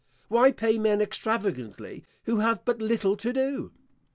Why pay men extravagantly, who have but little to do?